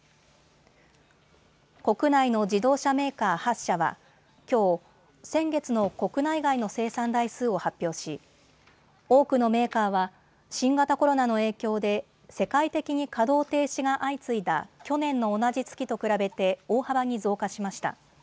国内の自動車メーカー８社はきょう、先月の国内外の生産台数を発表し多くのメーカーは新型コロナの影響で世界的に稼働停止が相次いだ去年の同じ月と比べて大幅に増加しました。